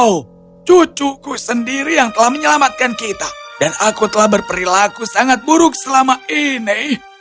oh cucuku sendiri yang telah menyelamatkan kita dan aku telah berperilaku sangat buruk selama ini